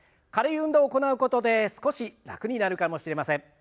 軽い運動を行うことで少し楽になるかもしれません。